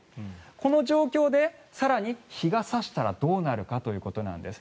この状況で更に日が差したらどうなるかということなんです。